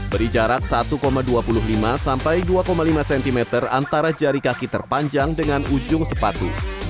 beri jarak satu dua puluh lima sampai dua lima cm antara jari kaki terpanjang dengan ujung sepatu